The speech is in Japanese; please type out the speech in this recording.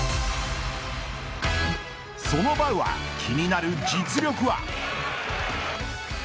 そのバウアー気になる実力は。